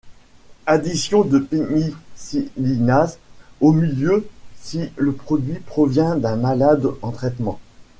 Addition de pénicillinase au milieu si le produit provient d'un malade en traitement.